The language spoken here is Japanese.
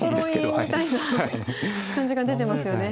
おそろいみたいな感じが出てますよね。